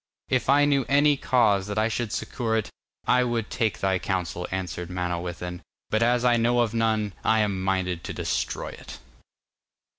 'If I knew any cause that I should succour it, I would take thy counsel,' answered Manawyddan, 'but as I know of none, I am minded to destroy it.